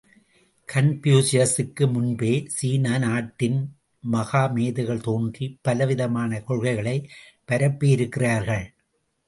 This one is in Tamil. கன்பூசியசுக்கு முன்பே சீன நாட்டின் பல மகா மேதைகள் தோன்றி பலவிதமான கொள்கைகளைப் பரப்பியிருக்கிறார்கள்.